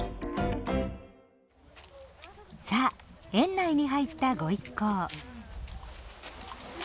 園内に入ったご一行。